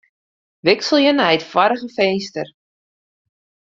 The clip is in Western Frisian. Wikselje nei it foarige finster.